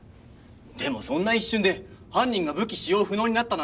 でもそんな一瞬で犯人が武器使用不能になったなんて判断